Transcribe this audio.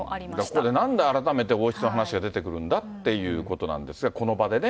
ここでなんで改めて王室の話が出てくるんだってことなんですが、この場でね。